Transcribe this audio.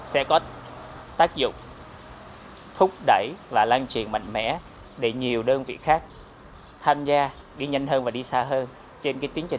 sẽ có tác dụng thúc đẩy và lan truyền mạnh mẽ để nhiều đơn vị khác tham gia đi nhanh hơn và đi xa hơn trên tiến trình này